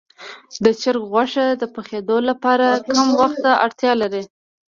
د چرګ غوښه د پخېدو لپاره کم وخت ته اړتیا لري.